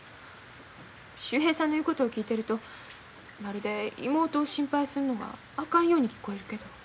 秀平さんの言うことを聞いてるとまるで妹を心配するのがあかんように聞こえるけど。